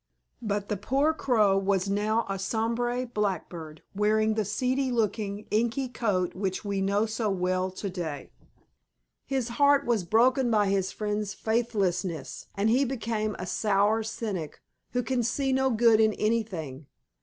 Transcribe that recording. But the poor Crow was now a sombre, black bird, wearing the seedy looking, inky coat which we know so well to day. His heart was broken by his friend's faithlessness, and he became a sour cynic who can see no good in anything.